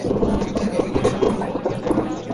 এরপর ঘোড়ায় চড়ে বাতাসের সাথে পাল্লা দিয়ে ছুটে চললেন।